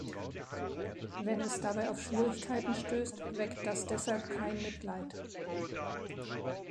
Wenn es dabei auf Schwierigkeiten stößt, weckt das deshalb kein Mitleid.